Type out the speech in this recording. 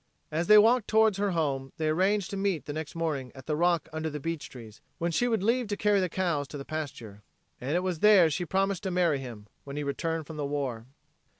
As they walked toward her home they arranged to meet the next morning at the rock under the beech trees, when she would leave to carry the cows to the pasture. And it was there she promised to marry him when he returned from the war.